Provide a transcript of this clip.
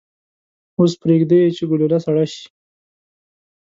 اوس پریږدئ چې ګلوله سړه شي.